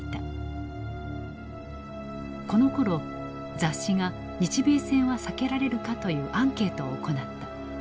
このころ雑誌が「日米戦は避けられるか」というアンケートを行った。